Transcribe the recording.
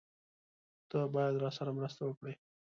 تۀ باید راسره مرسته وکړې!